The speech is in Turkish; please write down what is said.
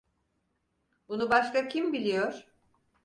Bunu başka kim biliyor?